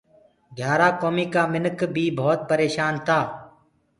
گھِيآرآ ڪوميٚ ڪآ منِک بيٚ ڀوت پريشآن تآ